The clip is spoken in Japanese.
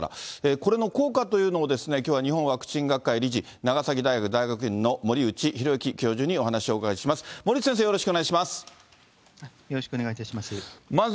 これの効果というのを、きょうは日本ワクチン学会理事長崎大学大学院の森内浩幸教授にお話をお伺いします。